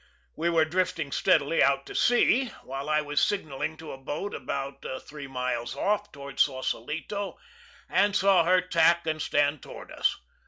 We were drifting steadily out to sea, while I was signaling to a boat about three miles off, toward Saucelito, and saw her tack and stand toward us.